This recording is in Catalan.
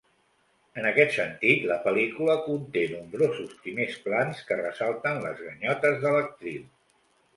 En aquest sentit la pel·lícula conté nombrosos primers plans que ressalten les ganyotes de l'actriu.